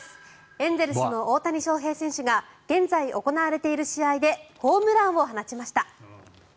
エンゼルスの大谷翔平選手が現在行われている試合でホームランを放ちました。